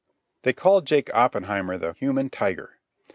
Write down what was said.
They called Jake Oppenheimer the "Human Tiger."